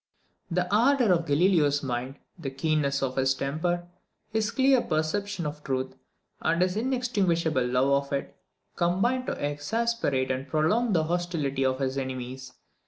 The ardour of Galileo's mind, the keenness of his temper, his clear perception of truth, and his inextinguishable love of it, combined to exasperate and prolong the hostility of his enemies.